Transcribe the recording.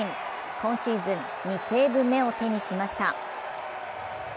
今シーズン２セーブ目を手にしました。